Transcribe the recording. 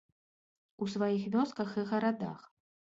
У сваіх вёсках і гарадах.